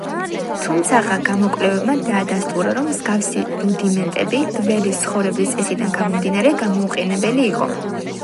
თუმცაღა გამოკვლევებმა დაადასტურა, რომ მსგავსი რუდიმენტები, გველის ცხოვრების წესიდან გამომდინარე, გამოუყენებელი იყო.